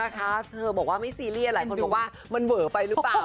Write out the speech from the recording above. เธอบอกว่าไม่ซีเรียสหลายคนบอกว่ามันเวอไปหรือเปล่า